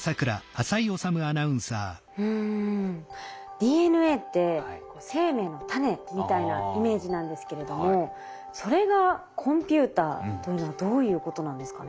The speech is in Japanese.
ＤＮＡって生命の種みたいなイメージなんですけれどもそれがコンピューターというのはどういうことなんですかね。